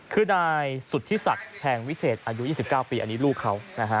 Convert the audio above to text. คือนายสุธิศักดิ์แพงวิเศษอายุ๒๙ปีอันนี้ลูกเขานะฮะ